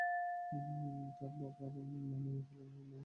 তার বাবার নাম আইয়ুব আলী এবং মায়ের নাম হালিমা খাতুন।